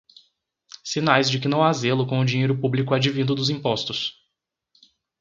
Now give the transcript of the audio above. Sinais de que não há zelo com o dinheiro público advindo dos impostos